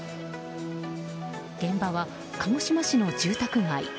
現場は鹿児島市の住宅街。